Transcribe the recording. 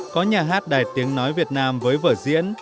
có nhà hát đài tiếng nói việt nam với vở diễn